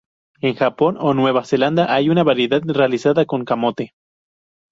En Japón o Nueva Zelanda hay la variedad realizada con camote.